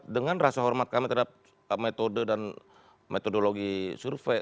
dengan rasa hormat kami terhadap metode dan metodologi survei